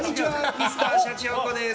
Ｍｒ．シャチホコです。